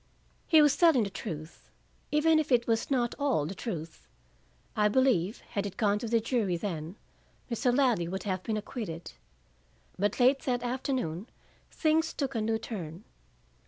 He was telling the truth, even if it was not all the truth. I believe, had it gone to the jury then, Mr. Ladley would have been acquitted. But, late that afternoon, things took a new turn.